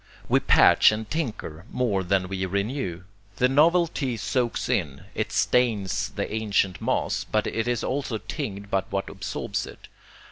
We patch and tinker more than we renew. The novelty soaks in; it stains the ancient mass; but it is also tinged by what absorbs it.